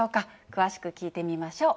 詳しく聞いてみましょう。